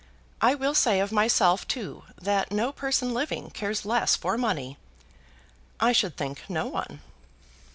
I will say of myself, too, that no person living cares less for money." "I should think no one."